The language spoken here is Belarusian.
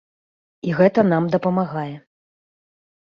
І гэта нам дапамагае.